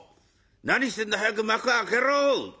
何してんだ早く幕開けろ！」。